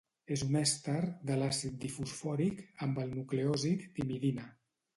És un èster de l'àcid difosfòric amb el nucleòsid timidina.